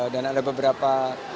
dan ada beberapa